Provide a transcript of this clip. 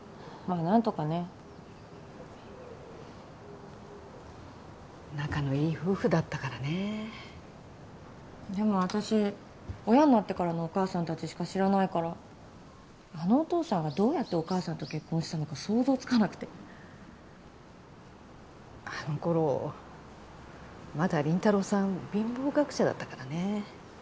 あ何とかね仲のいい夫婦だったからねえでも私親になってからのお母さん達しか知らないからあのお父さんがどうやってお母さんと結婚したのか想像つかなくてあの頃まだ林太郎さん貧乏学者だったからねえ